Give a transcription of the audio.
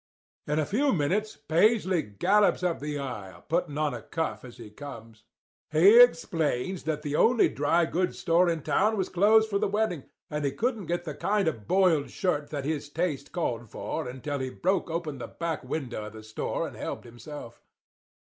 "In a few minutes Paisley gallops up the aisle, putting on a cuff as he comes. He explains that the only dry goods store in town was closed for the wedding, and he couldn't get the kind of a boiled shirt that his taste called for until he had broke open the back window of the store and helped himself.